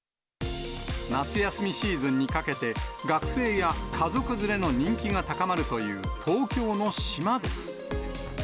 夏休みシーズンにかけて、学生や家族連れの人気が高まるという東京の島です。